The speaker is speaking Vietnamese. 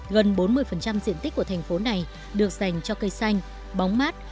gần bốn mươi diện tích của thành phố này được dành cho cây xanh bóng mát